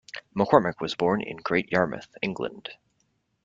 McCormick was born in Great Yarmouth, England.